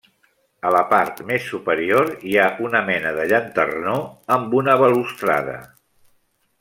A la part més superior hi ha una mena de llanternó amb una balustrada.